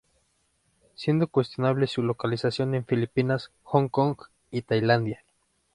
Siendo cuestionable su localización en Filipinas, Hong Kong y Tailandia.